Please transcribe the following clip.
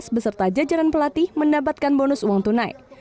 beserta jajaran pelatih mendapatkan bonus uang tunai